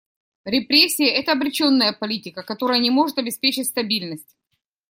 Репрессии — это обреченная политика, которая не может обеспечить стабильность.